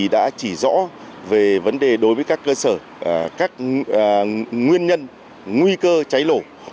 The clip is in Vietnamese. đã chỉ rõ về vấn đề đối với các cơ sở các nguyên nhân nguy cơ cháy nổ